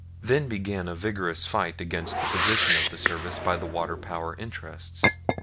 Then began a vigorous fight against the position of the Service by the water power interests.